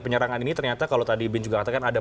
penyerangan ini ternyata kalau tadi bin juga katakan ada